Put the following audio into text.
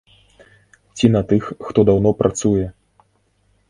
Ці на тых, хто даўно працуе?